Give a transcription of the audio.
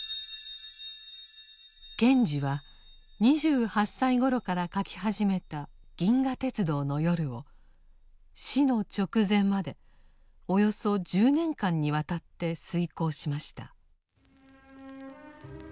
賢治は２８歳ごろから書き始めた「銀河鉄道の夜」を死の直前までおよそ１０年間にわたって推敲しました。